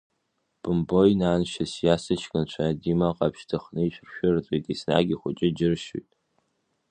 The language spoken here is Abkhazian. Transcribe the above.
Бымбои, нан, Шьасиа, сыҷкәынцәа адима ҟаԥшь ӡахны иршәырҵоит, еснагь ихәыҷу џьыршьоит.